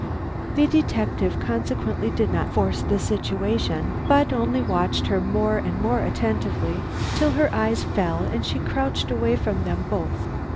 The detective consequently did not force the situation, but only watched her more and more attentively till her eyes fell and she crouched away from them both.